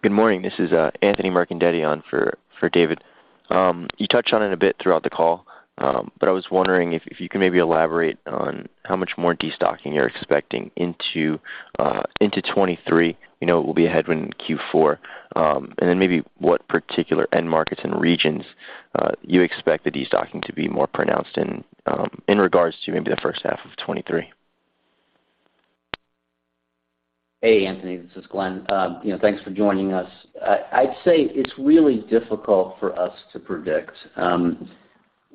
Good morning. This is Anthony Mercandetti on for David. You touched on it a bit throughout the call. I was wondering if you could maybe elaborate on how much more de-stocking you're expecting into 2023. We know it will be a headwind in Q4. Maybe what particular end markets and regions you expect the de-stocking to be more pronounced in regards to maybe the first half of 2023. Hey, Anthony. This is Glenn. Thanks for joining us. I'd say it's really difficult for us to predict.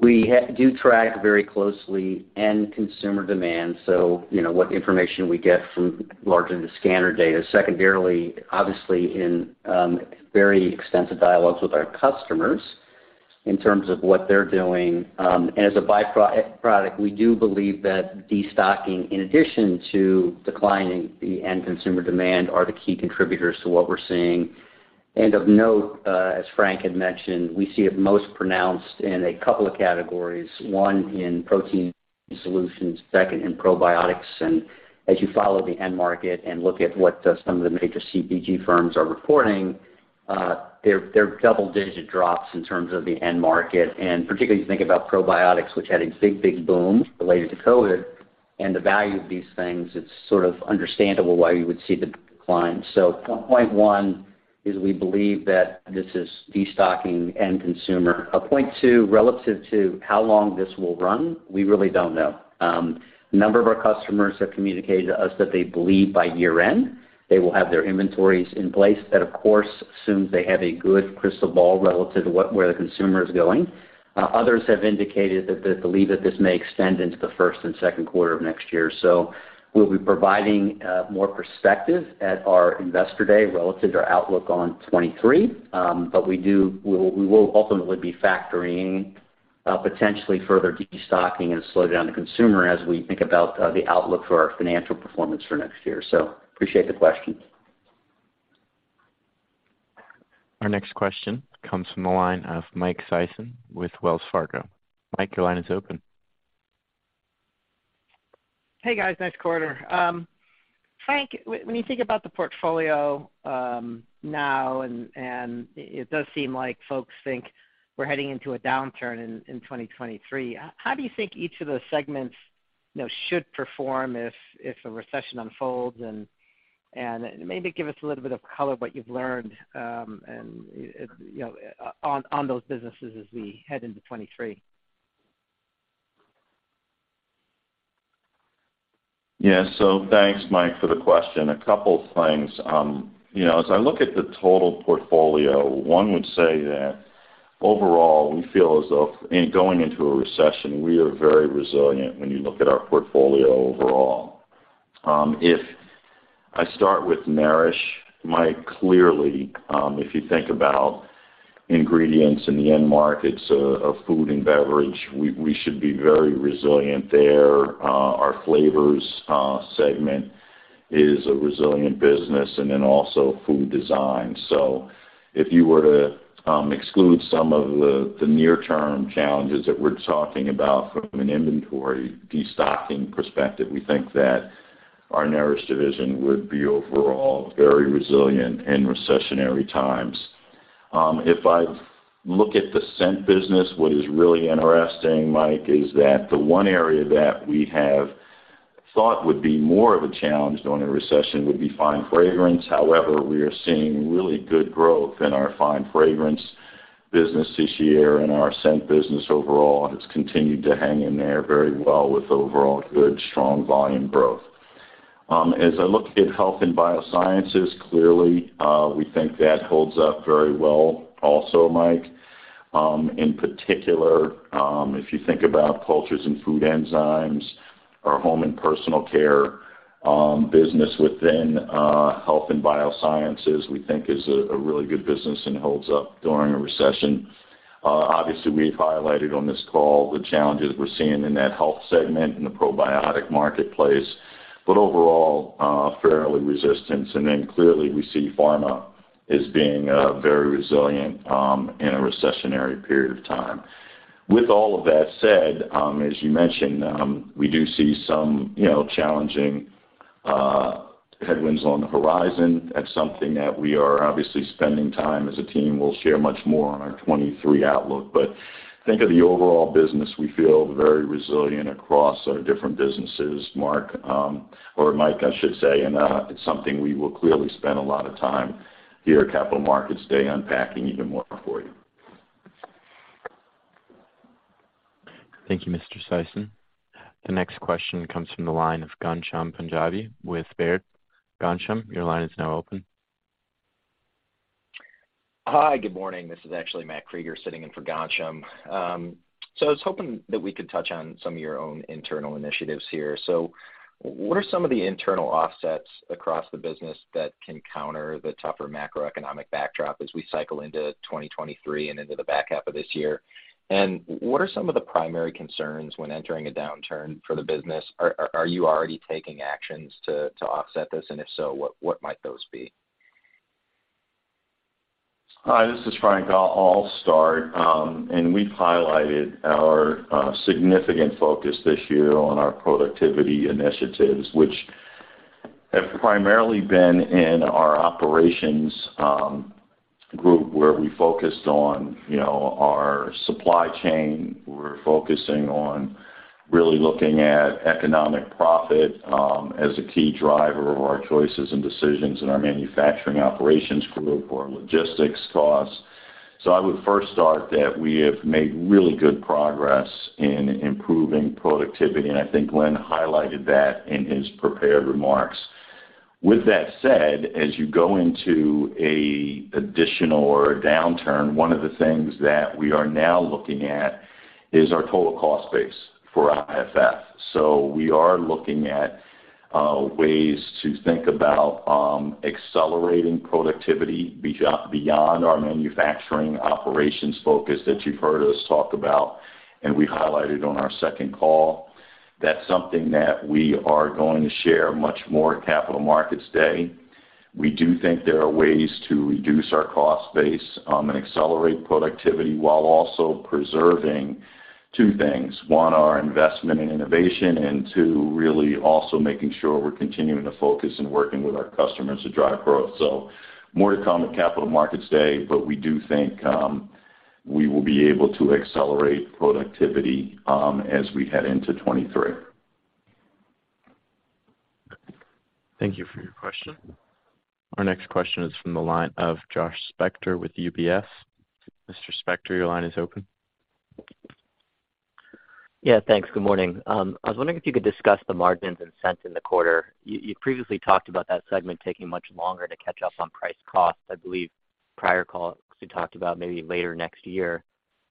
We do track very closely end consumer demand, what information we get from largely the scanner data. Secondarily, obviously, in very extensive dialogues with our customers in terms of what they're doing. As a by-product, we do believe that de-stocking, in addition to declining the end consumer demand, are the key contributors to what we're seeing. Of note, as Frank had mentioned, we see it most pronounced in a couple of categories, one in Protein Solutions, second in probiotics. As you follow the end market and look at what some of the major CPG firms are reporting, they're double-digit drops in terms of the end market. Particularly if you think about probiotics, which had a big, big boom related to COVID and the value of these things, it's sort of understandable why you would see the decline. Point one is we believe that this is de-stocking end consumer. Point two, relative to how long this will run, we really don't know. A number of our customers have communicated to us that they believe by year-end, they will have their inventories in place. That, of course, assumes they have a good crystal ball relative to where the consumer is going. Others have indicated that they believe that this may extend into the first and second quarter of next year. We'll be providing more perspective at our investor day relative to our outlook on 2023. We will ultimately be factoring potentially further de-stocking and a slowdown in the consumer as we think about the outlook for our financial performance for next year. Appreciate the question. Our next question comes from the line of Michael Sison with Wells Fargo. Mike, your line is open. Hey, guys. Nice quarter. Frank, when you think about the portfolio now, it does seem like folks think we're heading into a downturn in 2023, how do you think each of those segments should perform if a recession unfolds? Maybe give us a little bit of color what you've learned on those businesses as we head into 2023. Yeah. Thanks, Mike, for the question. A couple of things. As I look at the total portfolio, one would say that overall, we feel as though in going into a recession, we are very resilient when you look at our portfolio overall. If I start with Nourish, Mike, clearly, if you think about ingredients in the end markets of food and beverage, we should be very resilient there. Our flavors segment is a resilient business, and then also food design. If you were to exclude some of the near-term challenges that we're talking about from an inventory de-stocking perspective, we think that our Nourish division would be overall very resilient in recessionary times. If I look at the Scent business, what is really interesting, Mike, is that the one area that we have thought would be more of a challenge during a recession would be fine fragrance. However, we are seeing really good growth in our fine fragrance business this year, and our Scent business overall has continued to hang in there very well with overall good, strong volume growth. As I look at Health & Biosciences, clearly, we think that holds up very well also, Mike. In particular, if you think about cultures and food enzymes, our home and personal care business within Health & Biosciences, we think is a really good business and holds up during a recession. Obviously, we've highlighted on this call the challenges we're seeing in that health segment, in the probiotic marketplace, but overall, fairly resistant. Clearly we see pharma as being very resilient in a recessionary period of time. With all of that said, as you mentioned, we do see some challenging headwinds on the horizon. That's something that we are obviously spending time as a team. We'll share much more on our 2023 outlook. Think of the overall business, we feel very resilient across our different businesses, Mark, or Mike, I should say. It's something we will clearly spend a lot of time at our Capital Markets Day unpacking even more for you. Thank you, Mr. Sison. The next question comes from the line of Ghansham Panjabi with Baird. Ghansham, your line is now open. Hi, good morning. This is actually Matthew Krueger sitting in for Ghansham. I was hoping that we could touch on some of your own internal initiatives here. What are some of the internal offsets across the business that can counter the tougher macroeconomic backdrop as we cycle into 2023 and into the back half of this year? What are some of the primary concerns when entering a downturn for the business? Are you already taking actions to offset this? If so, what might those be? Hi, this is Frank. I will start. We have highlighted our significant focus this year on our productivity initiatives, which have primarily been in our operations group, where we focused on our supply chain. We are focusing on really looking at economic profit as a key driver of our choices and decisions in our manufacturing operations group for logistics costs. I would first start that we have made really good progress in improving productivity, and I think Glenn highlighted that in his prepared remarks. With that said, as you go into an additional or a downturn, one of the things that we are now looking at is our total cost base for IFF. We are looking at ways to think about accelerating productivity beyond our manufacturing operations focus that you have heard us talk about, and we highlighted on our second call. That's something that we are going to share much more at Capital Markets Day. We do think there are ways to reduce our cost base and accelerate productivity while also preserving two things. One, our investment in innovation, and two, really also making sure we're continuing to focus and working with our customers to drive growth. More to come at Capital Markets Day, but we do think we will be able to accelerate productivity as we head into 2023. Thank you for your question. Our next question is from the line of Joshua Spector with UBS. Mr. Spector, your line is open. Yeah, thanks. Good morning. I was wondering if you could discuss the margins in Scent in the quarter. You previously talked about that segment taking much longer to catch up on price cost. I believe prior call, you talked about maybe later next year.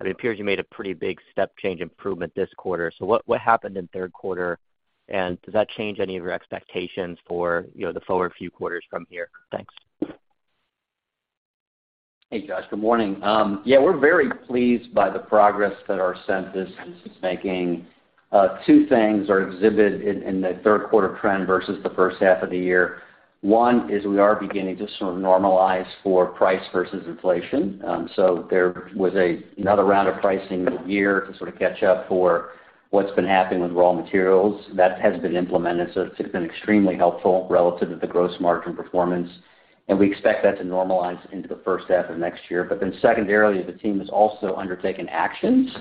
It appears you made a pretty big step change improvement this quarter. What happened in the third quarter, and does that change any of your expectations for the forward few quarters from here? Thanks. Hey, Josh. Good morning. We're very pleased by the progress that our Scent business is making. Two things are exhibited in the third quarter trend versus the first half of the year. One is we are beginning to normalize for price versus inflation. There was another round of pricing this year to catch up for what's been happening with raw materials. That has been implemented, it's been extremely helpful relative to the gross margin performance, and we expect that to normalize into the first half of next year. Secondarily, the team has also undertaken actions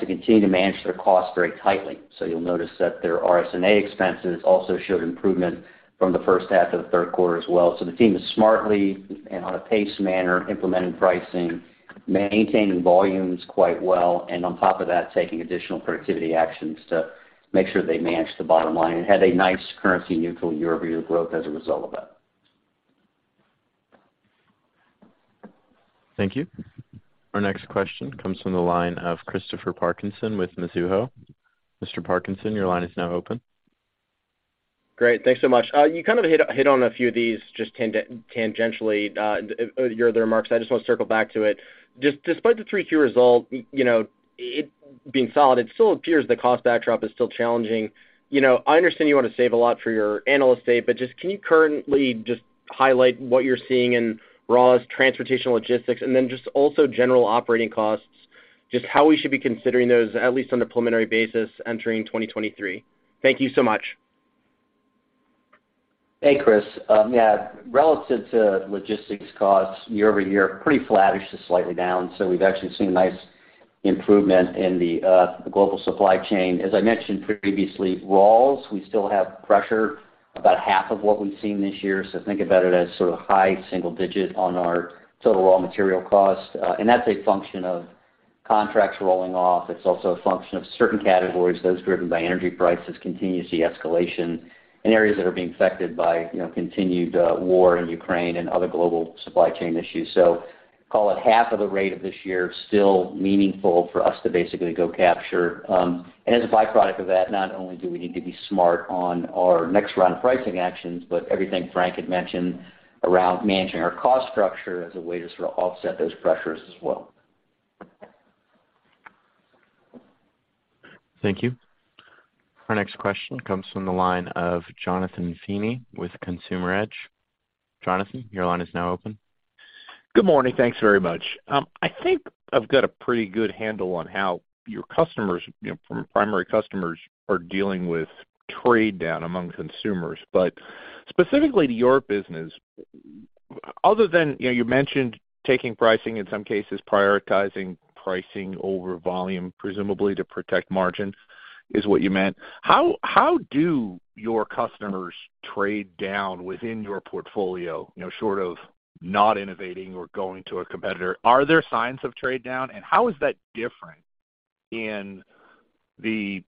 to continue to manage their costs very tightly. You'll notice that their RSA expenses also showed improvement from the first half to the third quarter as well. The team is smartly and on a paced manner, implementing pricing, maintaining volumes quite well, and on top of that, taking additional productivity actions to make sure they manage the bottom line and had a nice currency-neutral year-over-year growth as a result of that. Thank you. Our next question comes from the line of Christopher Parkinson with Mizuho. Mr. Parkinson, your line is now open. Great. Thanks so much. You kind of hit on a few of these, just tangentially, your other remarks. I just want to circle back to it. Despite the 3Q result being solid, it still appears the cost backdrop is still challenging. I understand you want to save a lot for your analyst day, but just can you currently just highlight what you're seeing in raws, transportation, logistics, and then just also general operating costs, just how we should be considering those, at least on a preliminary basis, entering 2023. Thank you so much. Hey, Chris. Yeah. Relative to logistics costs year-over-year, pretty flattish to slightly down. We've actually seen a nice improvement in the global supply chain. As I mentioned previously, raws, we still have pressure, about half of what we've seen this year. Think about it as sort of high single digit on our total raw material cost. That's a function of contracts rolling off. It's also a function of certain categories, those driven by energy prices, continue to see escalation in areas that are being affected by continued war in Ukraine and other global supply chain issues. Call it half of the rate of this year, still meaningful for us to basically go capture. As a byproduct of that, not only do we need to be smart on our next round of pricing actions, but everything Frank had mentioned around managing our cost structure as a way to sort of offset those pressures as well. Thank you. Our next question comes from the line of Jonathan Feeney with Consumer Edge. Jonathan, your line is now open. Good morning. Thanks very much. I think I've got a pretty good handle on how your customers, from primary customers, are dealing with trade down among consumers. Specifically to your business, other than, you mentioned taking pricing in some cases, prioritizing pricing over volume, presumably to protect margins is what you meant. How do your customers trade down within your portfolio, short of not innovating or going to a competitor? Are there signs of trade down, and how is that different in the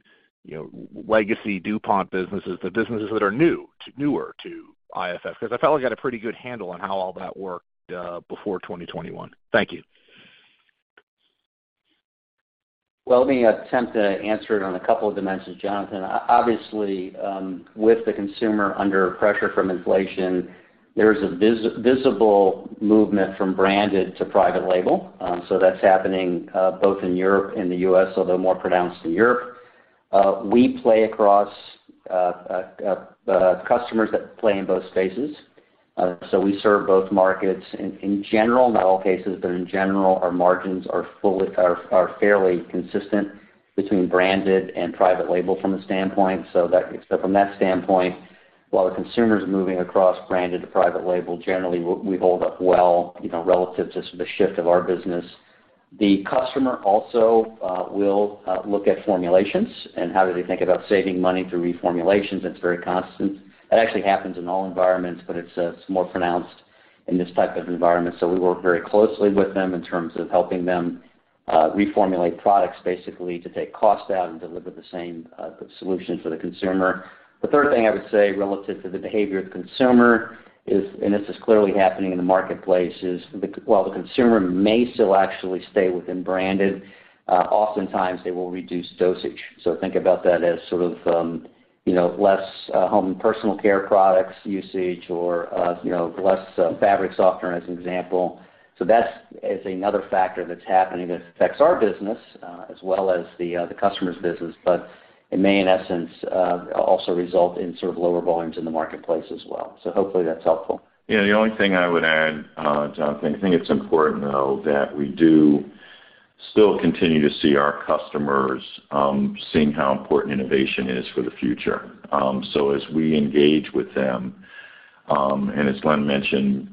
legacy DuPont businesses, the businesses that are newer to IFF? I felt like I had a pretty good handle on how all that worked before 2021. Thank you. Well, let me attempt to answer it on a couple of dimensions, Jonathan. Obviously, with the consumer under pressure from inflation, there is a visible movement from branded to private label. That's happening both in Europe and the U.S., although more pronounced in Europe. We play across customers that play in both spaces. We serve both markets in general, not all cases, but in general, our margins are fairly consistent between branded and private label from a standpoint. From that standpoint, while the consumer's moving across branded to private label, generally we hold up well, relative to sort of the shift of our business. The customer also will look at formulations and how do they think about saving money through reformulations, that's very constant. That actually happens in all environments, but it's more pronounced in this type of environment. We work very closely with them in terms of helping them reformulate products, basically to take cost out and deliver the same solution for the consumer. The third thing I would say relative to the behavior of the consumer is, and this is clearly happening in the marketplace, is while the consumer may still actually stay within branded, oftentimes they will reduce dosage. Think about that as sort of less home and personal care products usage or less fabric softener, as an example. That's another factor that's happening that affects our business, as well as the customer's business, but it may, in essence, also result in sort of lower volumes in the marketplace as well. Hopefully that's helpful. Yeah, the only thing I would add, Jonathan, I think it's important, though, that we do still continue to see our customers seeing how important innovation is for the future. As we engage with them, and as Glenn mentioned,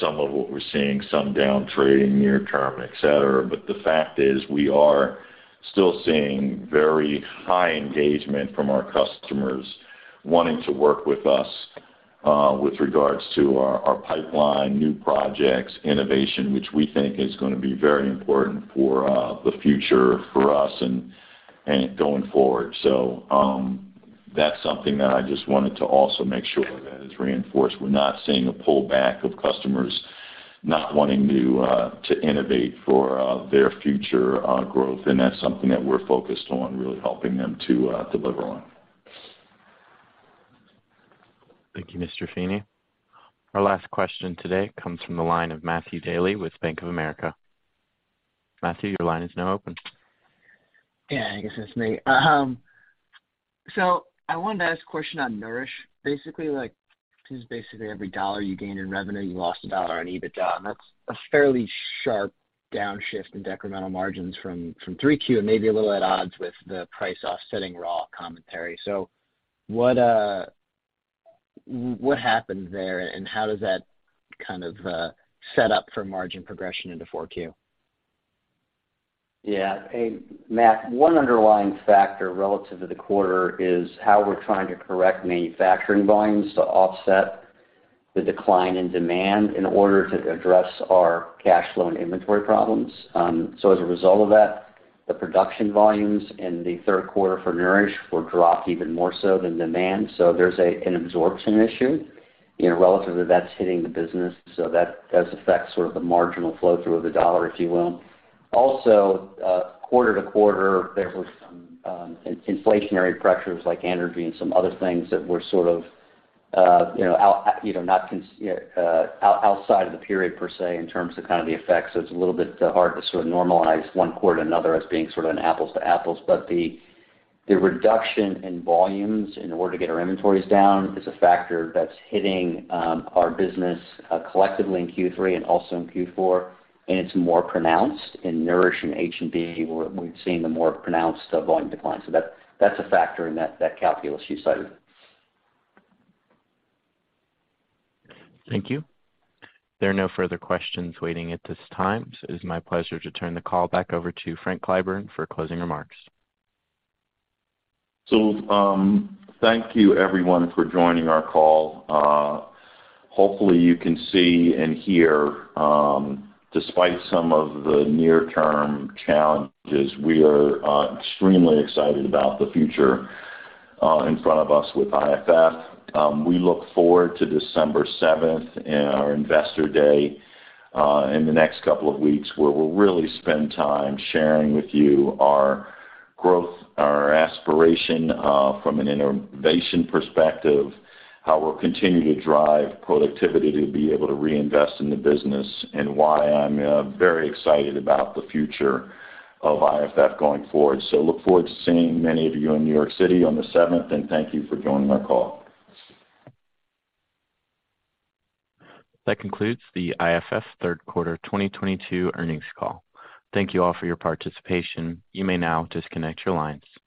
some of what we're seeing, some down trading near term, et cetera, but the fact is we are still seeing very high engagement from our customers wanting to work with us, with regards to our pipeline, new projects, innovation, which we think is going to be very important for the future for us and going forward. That's something that I just wanted to also make sure that is reinforced. We're not seeing a pullback of customers not wanting to innovate for their future growth, and that's something that we're focused on really helping them to deliver on. Thank you, Mr. Feeney. Our last question today comes from the line of Matthew Daly with Bank of America. Matthew, your line is now open. Yeah, I guess it's me. I wanted to ask a question on Nourish, basically. Since basically every $1 you gained in revenue, you lost a $1 on EBITDA, and that's a fairly sharp downshift in decremental margins from 3Q and maybe a little at odds with the price offsetting raw commentary. What happened there, and how does that kind of set up for margin progression into 4Q? Yeah. Hey, Matt. One underlying factor relative to the quarter is how we're trying to correct manufacturing volumes to offset the decline in demand in order to address our cash flow and inventory problems. As a result of that, the production volumes in the third quarter for Nourish were dropped even more so than demand. There's an absorption issue. Relatively, that's hitting the business, so that does affect sort of the marginal flow through of the $1, if you will. Also, quarter to quarter, there was some inflationary pressures like energy and some other things that were sort of outside of the period per se, in terms of kind of the effects. It's a little bit hard to sort of normalize one quarter to another as being sort of an apples to apples. The reduction in volumes in order to get our inventories down is a factor that's hitting our business collectively in Q3 and also in Q4, and it's more pronounced in Nourish and H&B, where we've seen the more pronounced volume decline. That's a factor in that calculus you cited. Thank you. There are no further questions waiting at this time, it is my pleasure to turn the call back over to Frank Clyburn for closing remarks. Thank you everyone for joining our call. Hopefully you can see and hear, despite some of the near-term challenges, we are extremely excited about the future in front of us with IFF. We look forward to December 7th and our Investor Day in the next couple of weeks, where we'll really spend time sharing with you our growth, our aspiration from an innovation perspective, how we'll continue to drive productivity to be able to reinvest in the business, and why I'm very excited about the future of IFF going forward. Look forward to seeing many of you in New York City on the 7th, and thank you for joining our call. That concludes the IFF Third Quarter 2022 Earnings Call. Thank you all for your participation. You may now disconnect your lines.